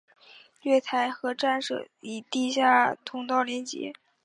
月台与站舍以地下通道连结。